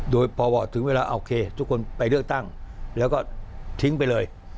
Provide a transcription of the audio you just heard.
โดยพอถึงเวลาโอเคทุกคนไปเลือกตั้งแล้วก็ทิ้งไปเลย